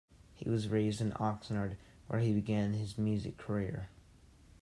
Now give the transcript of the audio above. He was raised in Oxnard, where he began his music career.